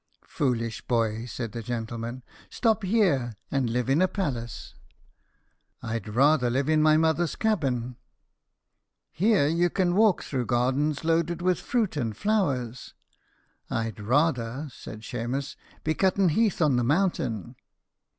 "Foolish boy!" said the gentleman; "stop here and live in a palace." "I'd rather live in my mother's cabin." "Here you can walk through gardens loaded with fruit and flowers." "I'd rather," said Shemus, "be cutting heath on the mountain."